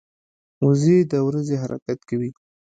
وزې د ورځي حرکت کوي